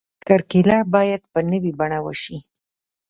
کرکیله باید په نوې بڼه وشي.